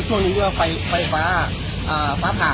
ช่วงเหลือฝ้าภาค